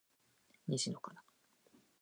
西野カナ